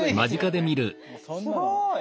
すごい。